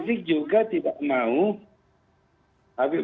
rizik juga tidak mau